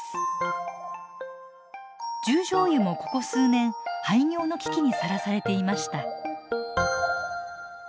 十條湯もここ数年廃業の危機にさらされていました。